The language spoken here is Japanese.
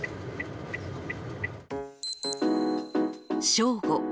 正午。